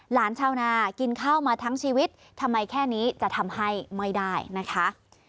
ชาวนากินข้าวมาทั้งชีวิตทำไมแค่นี้จะทำให้ไม่ได้นะคะ